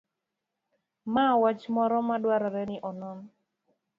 mar wach moro ma dwarore ni onon